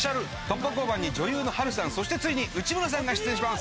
突破交番に女優の波瑠さん、そして内村さんが出演します。